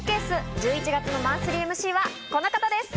１１月のマンスリーＭＣはこの方です。